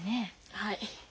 はい。